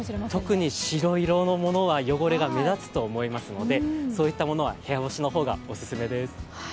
特に白色のものは汚れが目立つと思いますので、そういったものは部屋干しの方がおすすめです。